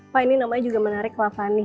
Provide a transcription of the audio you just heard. pak ini namanya juga menarik love ani